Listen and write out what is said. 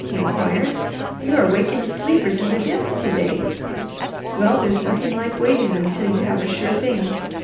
he inquired. "You are waking the sleepers in their dens to day? Well, there's nothing like waiting until you have a sure thing.